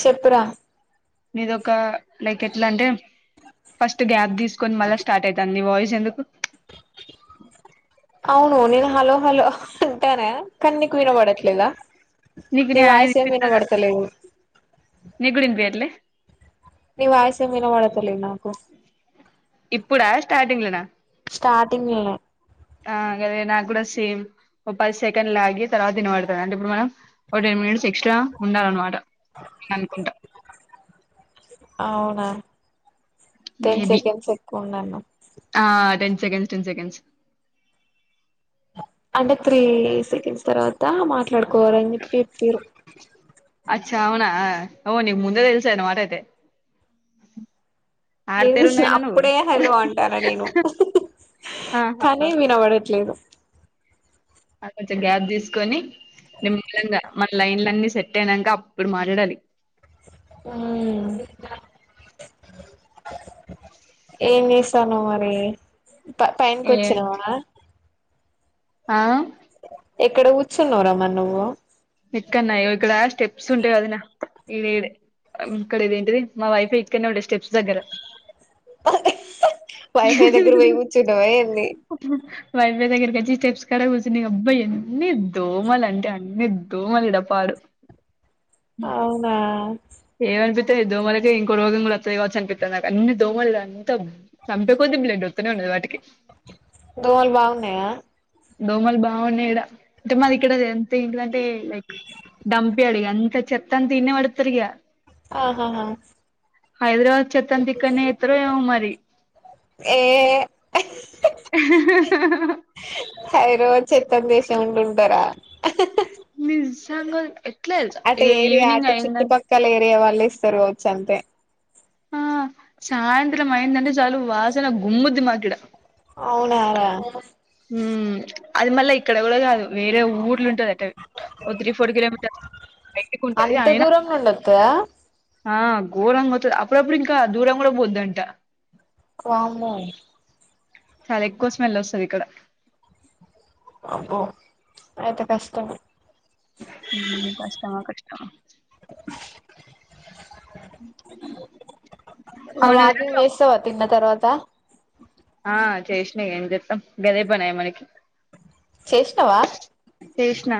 చెప్పురా నీదోక లైక్ ఎట్లా అంటే ఫస్ట్ గ్యాప్ తీసుకొని మళ్ళీ స్టార్ట్ అయితాంది మి వాయిస్ ఎందుకు అవును నేను హలో హలో అంటానే కానీ నీకు వినబడట్లేద నీకు నీ నేను అనేది వాయిస్ ఏం వినిపిత్తాందా వినబడతలేదు నీకు కూడా వినిపియట్లే నీ వాయిస్ ఏం వినపడతా లేదు నాకు ఇప్పుడా స్టార్టింగ్ లోన స్టార్టింగ్ లోనే ఆ గాదె నాకు కూడా సేమ్ ఒక పది సెకండ్ లాగి తర్వాత వినబడతాది అంటే ఇప్పుడు మనం ఒక టెన్ మినిట్స్ ఎక్స్ ట్రా ఉండాల అన్నమాట అవునా టెన్ మేబి సెకండ్స్ ఎక్కువ ఉందన్నవ్ ఆ టెన్ సెకడ్స్ టెన్ సెకండ్స్ అంటే త్రీ సెకండ్స్ తర్వాత మాట్ల వాడుకు ఎవరేం చెప్పి చెప్పిరో [unintelligible] అచ్చా అవునా ఓ నీకు ముందే తెలుసుఅన్న మాటయితే అప్పుడే హలో అంటాను నేను ఆహా కానీ వినవడట్లేదు ఆ కొంచెం గ్యాప్ తీసుకొని నిమ్మలంగా మన లైన్లు అన్ని సెట్ అయినాక అప్పుడు మాట్లాడాలి ఆ ఏ చేస్తాన్నవ్ మరి పైనికి ఏ కొచ్చినవా ఆ ఎక్కడ కూర్చున్నావు రా మరి నువ్వు ఇక్కడ స్టెప్స్ ఉంటాయి వదిన ఇడ ఇడే ఇక్కడ పొయింటివి మా వైఫై ఇక్కడనే ఉంటది స్టెప్స్ దగ్గర వైఫై దగ్గర పోయి కూర్చున్నవా ఏంది వైఫ్ దగ్గరికి వచ్చి స్టెప్స్ కాడ కూర్చున్న అబ్బా ఎన్ని దోమలు అంటే అన్ని దోమలు ఈడ పాడు అవునా ఏం అనిపితా దోమలకె ఇంకో రోగం కూడా వత్తాది కావచ్చు అనిపితా నాకు అన్ని దోమలు అంత చంపే కోధీ బ్లడ్ ఒత్తేనే ఉన్నది వాటికి దోమలుబాగున్నాయా దోమలు బాగున్నాయి ఇడ అంటే మాది ఇక్కడ ఎంత ఏంటిదంటే లైక్ డంప్ యార్డ్ ఆ చెత్త అంతా ఈనే పడేత్తరిగా ఆహా హా హైదరాబాద్ చెత్తంతా ఇక్కనే ఎత్తరేమో మరి ఏ హైదరాబాద్ చెత్త దేశ ఉండున్ టారా నిజంగా ఎట్లా తెలుసా అటు ఇగ ఏరియా ఈవినింగ్ అటు అయిందంటే చుట్టుపక్కల ఏరియా వా వెలిస్తారు కావచ్చు అంతే ఆ సాయంత్రం అయిందంటే చాలు వాసన గుమ్ముద్ది మాకు ఈడ అవునా రా హ్మ్ అది మళ్ళ ఇక్కడ కూడకాదు వేరే ఊర్లు ఉంటది అటే ఓ త్రీ ఫోర్ కిలోమీటర్స్ బయటకి ఉంటది అయినా త్తా ఆ గోరంగా వత్తాది అప్పుడుప్పుడు ఇంకా దూరం కూడా పోద్దంట వామ్మో చాలా ఎక్కువ స్మెల్ వస్తది ఇక్కడ అబ్బో అయితే కష్టంమే కష్టమా కష్టమా మరి అవును వదిన వాకింగ్ చేస్తావా తిన్న తర్వాత ఆ చేసిన ఏం చెస్తాం గదే పని అయె మనకి చేషీనవా చేసిన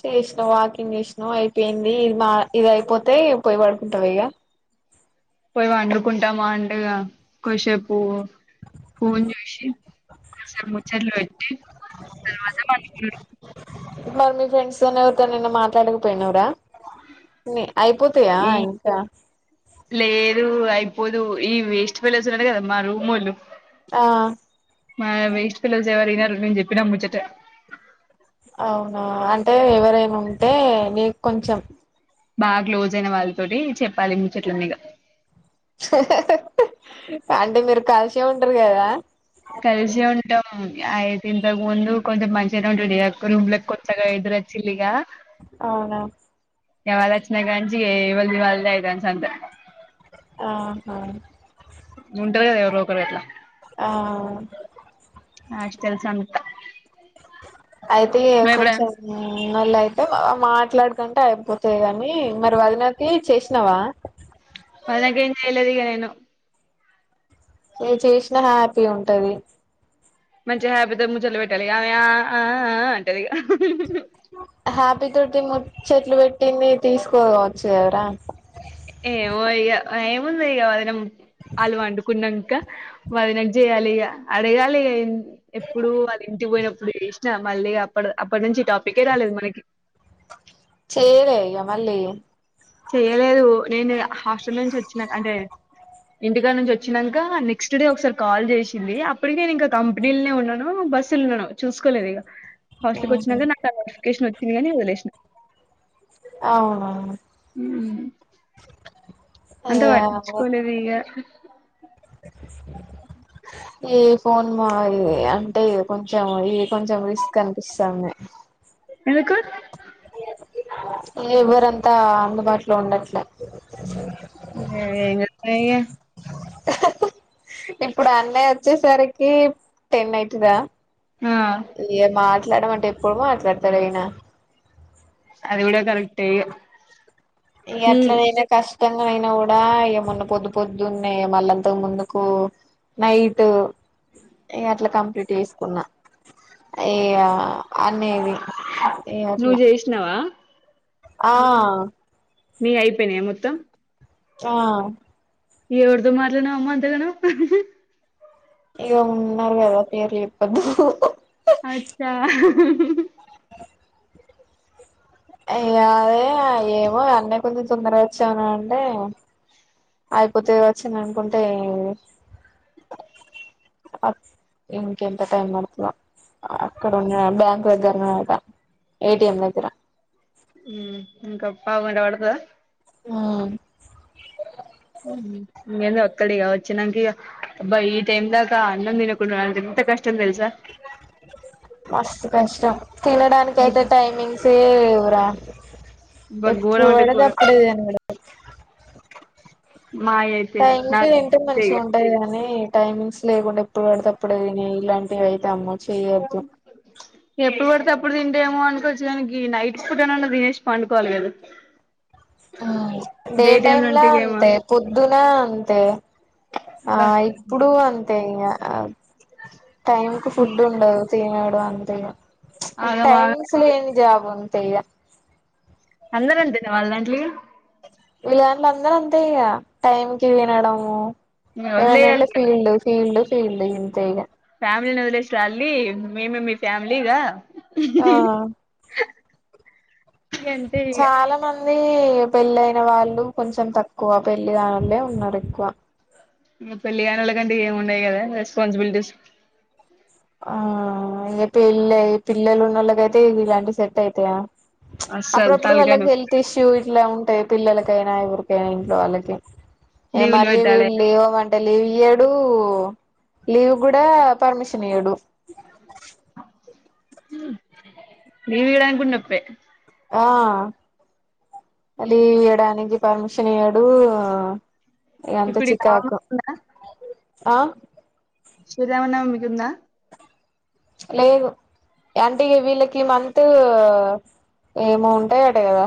చేసినావు వాకింగ్ చేసినావు అయిపోయింది ఇది మా ఇది అయిపోతే పోయి పడుకుంటావా ఇక పోయి వడురుకుంటామా అంటెగా కొసేపు ఫోన్ చూసి సర ముచ్చట్లు పేట్టి తరువాత పడుకుంటాం మరి మీ ఫ్రెండ్స్ తోని ఎవరితో నిన్న మాట్లాడకపోయినావరా న అయిపోతాయా ఈ ఇంకా లేదు అయిపోదు ఈ వేస్ట్ ఫెలోస్ ఉన్నారు కదా మా రూమ్ వాళ్ళు ఆ మా వెేస్ట్ ఫెలోస్ ఎవరు వినారు నేను చెప్పినా ముచ్చట అవునా అంటే ఎవరైనా ఉంటే నీకు కొంచెం బాగా క్లోజ్ అయిన వాళ్ళతోటి చెప్పాలి ముచ్చట్లు అన్ని ఇగ అంటే మీరు కాల్షియం ఉంటారు కదా కలిసే ఉంటాం ఆయితే ఇంతక ముందు కొంచెం మంచిగానే ఉండి రూమ్లక్ కొసగా ఇరుచ్చిల్గా అవునా ఎవళచ్చన గంజకి ఇవల్ది వల్దే యితే అన్సంత ఆహా ఉంటది కదా ఎవరో ఒకరు ఎట్లా ఆ హాస్టల్స్ అంతా అయితే కొంచెం నల్యితే అంటే మాట్లాడకుంటే అయిపోతది కాని మరి వదినకి చేసినావా వదినకి ఏం చేయలేదు ఇగ నేను ఎ చేసినా హ్యాపీ ఉంటది మంచి హ్యాబితో ముచ్చట్లు పెట్టాలి ఆమె ఆ ఆ అంటది ఇగ హ్యాపీ తోటి ముచ్చట్లు పెట్టింది తీసుకోవచ్చు కదరా ఏమో ఇగా ఏముందిక వదనమ్మ అలు పండుకున్నా క వదినకి చేయాలి ఇక అడగాలి ఇగా ఎప్పుడు వల్ల ఇంటికి పోయినప్పుడు చేసినా మళ్ళీ అప్పు అప్పుడు నుంచి టాపిక్ రాలేదు మనకి చేరే ఇగమల్లి చేయలేదు. నేను హాస్టల్ నుంచి వచ్చినా అంటే, ఇంటికా నుంచి వచ్చినాక నెక్స్ట్ డే ఒకసారి కాల్ చేసింది. అప్పడికే నేను ఇంకా కంపెనీలోనే ఉన్నాను. బస్సులొ ఉన్నా చూసుకోలేదు ఇక హాస్టల్ కి ఉహు. వచ్చినాక నాకు కఫికేషన్ వచ్చింది. గాని వదిలేసినా. అవును ఉహ్మ్మ్ అంటే పట్టించుకోలేదు ఇక [inaudible] ఏ ఫోన్ మోగి అంటే కొంచెం ఇ కొంచెం రిస్క్ అనిపిస్తా ఉంది ఎందుకు. ఎవ్వరంత అందుబాటులో ఉండట్లే. ఏం చేస్తాం ఇగ ఇప్పుడు అన్నయ్య వచ్చేసరికి టెన్ అయితుదా. ఆ ఈ మార్, మాట్లాడ అంటే ఎప్పుడు మాట్లాడతడు ఈయన అడిగూడ కరెక్ట్ ఇగ్ ఇ ఎట్ల నైనా కాస్ట్ ష్టంగా అయినా కూడా ఏమన్న పొద్దు పొద్దున్నే మళ్ళంతకు ముందుకు నైట్ ఇగా అట్లా కంప్లీట్ చేసుకున్నా. ఇగ అన్నయ్యది ఇగ నువ్వు అట్లా. చేసినావా ఆ మీవి అయిపోయినాయా మొత్తం. ఆ ఎవరితో మాట్లాడినావమ్మ అంతగానం ఇగా ఉన్నారు గద పేరులు చెప్పదు. అచ్చా ఇగ అదే ఏమో అన్నయ్య కొంచెం తొందర వచ్చాను అంటే. అయిపోతది గావచ్చింది అనుకుంటే ఎమ్ ఇంక ఎంత టైం పడతాడో అక్కడ ఉన్న బ్యాంక్ దగ్గర ద, ఏ టి ఎం దగ్గర హుమ్మ్ ఇంకా పావుగంట పడతాడా. హుమ్మ్ ఇంకేంది వత్తడిగా వచ్చినాక అబ్బా ఈ టైమ్ దకా అన్నం తిన్నకున్నా ఎంత కష్టం కష్టం తెలుసా మస్తు కష్టం తినడానికి అయితే, టైమింగ్స్ లేవురా. అబ్బా ఎప్పుడు ఘోరం అంటే పడితే ఘోరం అప్పుడే! ! ! మాయి ఆ అయితే టైమ్ కి తింటే నాకైతే మంచిగా ఇగ ఉంటాది గాదనే టైమింగ్స్ లేకుండా ఎప్పుడు పడతేప్పుడు తిని ఇలాంటి అయితే అమ్మో చేయద్దు. ఎప్పుడు పడితే అప్పుడు తింటేమో అనుకోవచ్చు. దానికి నైట్ ఫుడ్ అనన్నా తినేష్ పండుకోవాలి కదా. డే టైమ్ లో లా అంటే ఏమో అంతే పొద్దున అంతే ఆ అబ్బా ఇప్పుడు అంతే ఇంకా ఆ టైంకి ఫుడ్ ఉండదు తిన్నాడు అంతే ఇగ ఉంచ్ ఆగం ఆగం టైమింగ్స్ లేని జాబ్ అంతే ఇగ అందరూ అంతేనా వాళ్ళ దాంట్లో ఇగ ఈయాల అందరు అంతే ఇక టైం కి తిన్నడము ఇంగ వదిలేయాలి ఏమనంటే ఇగ ఫీల్డ్ ఫీల్డ్ ఫీల్డ్ ఇంతే ఇగ ఫ్యామిలీని వదిలేసి రాలి మేమే మీ ఫ్యామిలీగా ఆ ఇక అంతే ఇ కానీ పెళ్ళ అయిన వాళ్ళు కొంచెం తక్కువ పెళ్లి దానిలే ఉన్నారు ఎక్కువ పెళ్ళగన్ క గేమ్ ఉంటయి అదా రెస్పన్సిబిటీస్ ఆ ఇ పళ పిల్లలు ఉన్న వాళ్ళక అైతే ఇ ఇలాంటి సెట్ అయితాయా అస్సలు అప్పుడప్పుడు తలకాయ వాళ్ళకి నొప్పి హెల్త్ ఇష్యూ ఇట్లా ఉంటాయి పిల్లలకైనా ఎవరికైనా ఇంట్లో వాళ్ళకి లీవులు మరి పెట్టాలె వీళ్ళు లీవ్మంటే లీవ్ ఇయడు లీవ్ కూడా పర్మి నడు నవ ఇడాంగా గుండప్పే ఆ అలీ ఎడా అనికిజి పర్మిషన్ ఎడు ఎంత ఇప్పుడు ఈ నవమి చికాకు ఆ శ్రీరామన్మకుందా లాదు అంటే వీళ్ళకి మంత ఏమో ఉంటాయ అట కదా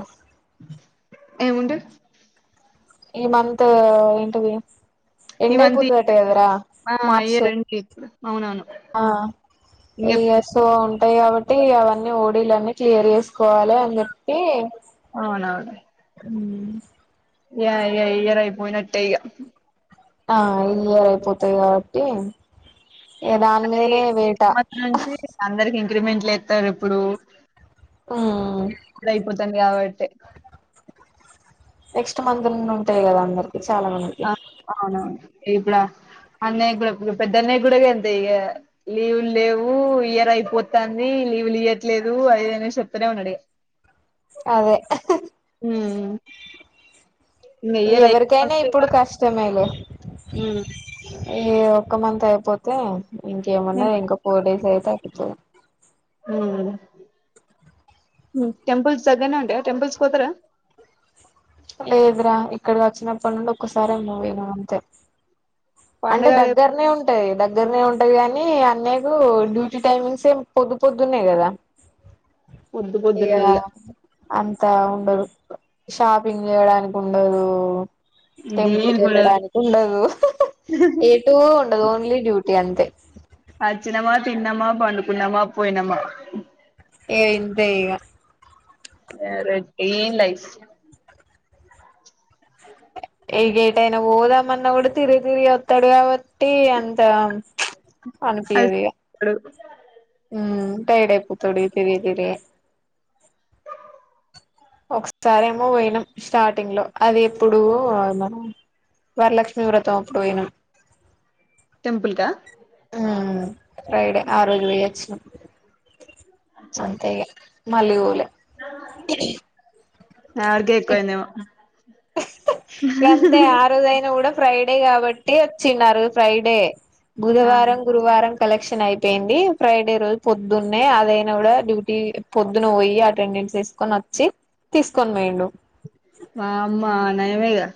ఏముంట ఈ మంత్ ఏంటిది ఈ ఎండై మంత్ పూతు తట్ట అదురా ఆ మార్చ్ ఇయర్ ఎండ్ ఇప్పుడు అవునవును ఆ ఇంగ ఇ సో ఉంటాయి కాబట్టి అవన్నీ ఓడలన్నీ క్లియర్ చేస్త కోలే అటి యా ఏ ఇయ్యరయిపోయినట్టే ఇక ఆ ఇయర్ అయిపోతాయి కాబట్టి ఇగ దాని మీదనే వేట అదేమ నుంచి అందరికి అగ్రిమెంట్లు వస్తారు ఎప్పుడు ఉమ్ అ అయిపోతుంది కాబట్టి నెక్స్ట్ మంత్ ఉంటాయి కదా అందరు ఆ అవునవును ఇప్పుడ అన్నయ్య కూడా పెద్దన్నయ్య కూడా ఎంత ఇక లీవులు లేవు ఇయర్ అయిపోతుంది లీవులీయట్లేదు అద అనే చెప్తనే ఉన్నాడి అదే హ ఎవరికైనా ఇగ ఇప్పుడు కష్టమే లే ఉమ్ ఏ ఒక్క మంత్ అయిపోతే మేం ఇంకేమున్నాయి ఇంకా ఫోర్ డేస్ అయితే అకుతుంది ఆ టెంపుల్స్ జగ్గనే ఉంటడి టెంపుల్స్కితార లేదురా ఇక్కడికి వచ్చినప్పటి నుండి ఒకక్కసారిే మూవనా అంతే అంటే పండుగ రేపు దగ్గరనే ఉంటాయి దగ్గరనే ఉంటా అంట ని అన్నయ్యకు డ్యూటీ టైమింగ్స్ ఏ పొద్దు పొద్దున్నాయి కదా పొద్దు ఇగ పొద్దున్నయ్య అంతా ఉండదు షాపింగ్ చేయడానికి ఉండదు టెంపుల్ క దేనికి ఉండదు వెళ్ళడానికి ఉండదు ఏ టటు ఉండదు ఓన్లీ డ్యూటీ అంతే అచ్చనమా తిన్నమా పంకున్నామా పోయినమా ఏమింత ఇక వ రన్ లైఫ్ ఎగేటైనా పోదామన్నా కూడా తిరిగి తిరిగి వస్తాడు కాబట్టి అంత అనుపించద అడు టడైర్డ్యిపోతడు త తెరి ఒకసారేమో పోయినాం స్టార్టింగ్ లో అది ఎప్పుడు మనం వరలక్ష్మి వ్రతంప్పుయినా టెంపుల్ క హ్మ ఫ్రైడే ఆ రోజు పోయోచినాం అచ్చా అంతే ఇగ మళ్ళీ పోలే ఆడికే ఇప్ ఎక్కువైందేమో గంతే ఆ రోజయినా కూడా ఫ్రైడ్ హాలిడే కాబట్టి వచ్చినారు ఫ్రైడే. ఆ బుధవారం గురువారం. కలెక్షన్ అయిపోయింది ఫ్రైడే రోజు పొద్దునే అదైనా కూడా డ్యూటీ పొద్దున్న పోయి అటెండ్ ఎసుకొని వచ్చి తీసుకొని పోయిండు వామ్మా నయమేగా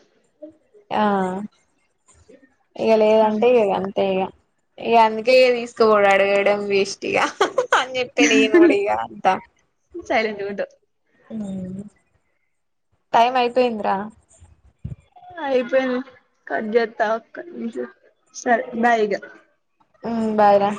ఆ ఇగా లేదంటే ఇగా అంతే ఇగా ఇ అందుకే తీసుకోపోడు అడగడం వేస్టిగా అని చెప్తా నేనుకూడా ఇగ అంట సైలెంట్ గుంటవ్ హ్మ టైమ్ అయిపోయిందిరా అయిపోయింది కట్ చెత్త ఒక నిమిషం సరే బాయ్ ఇగ ఉమ్ బాయ్ రా